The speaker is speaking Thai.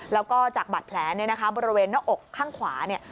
แล้วก็จากบาดแผลเนี่ยนะคะบริเวณหน้าอกข้างขวาเนี่ย